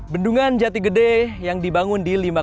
bendungan jati gede yang dibangun di lima